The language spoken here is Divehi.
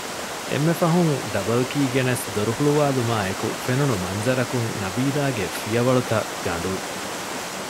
އެންމެފަހުން ޑަބަލްކީ ގެނެސް ދޮރުހުޅުވުމާއެކު ފެނުނު މަންޒަރަކުން ނަބީލާގެ ފިޔަވަޅުތަށް ގަނޑުވި